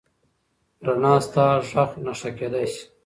رڼا ستا د غږ نښه کېدی شي.